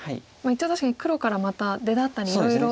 一応確かに黒からまた出だったりいろいろ。